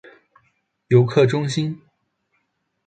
游客中心